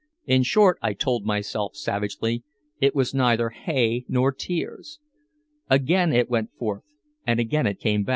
In short, I told myself savagely, it was neither hay nor tears! Again it went forth and again back it came.